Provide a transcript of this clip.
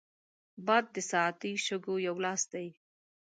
باد د ساعتي شګو یو لاس دی